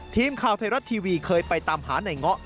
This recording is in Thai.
ทีมแคลไทรอัตตีวีเคยไปตามหาไหนเงาะ